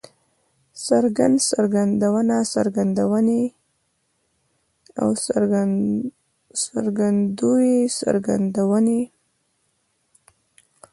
څرګند، څرګندونه، څرګندوی، څرګندونې